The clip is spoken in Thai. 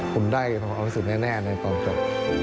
คุณได้รู้สึกแน่ในตอนเกิด